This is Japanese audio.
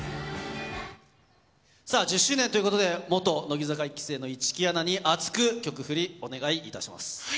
１０周年ということで、元乃木坂１期生の市來アナに熱く曲振り、お願いいたします。